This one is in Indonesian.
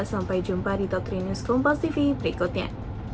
sampai jumpa di top tiga news kompas tv berikutnya